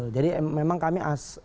jadi memang kami